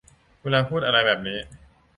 เวลาพูดอะไรแบบนี้